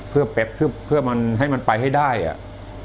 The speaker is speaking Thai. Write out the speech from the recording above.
เพื่อให้มันไปให้ได้อะ